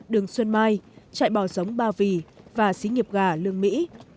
đường xuân mai chạy bò giống ba vì và xí nghiệp gà lương mỹ